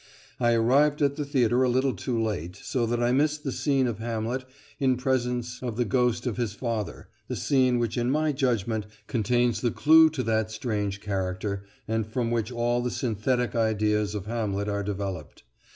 I arrived at the theatre a little too late, so that I missed the scene of Hamlet in presence of the ghost of his father, the scene which in my judgment contains the clue to that strange character, and from which all the synthetic ideas of Hamlet are developed.